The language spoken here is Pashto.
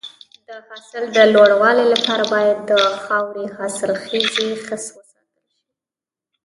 د حاصل د لوړوالي لپاره باید د خاورې حاصلخیزي ښه وساتل شي.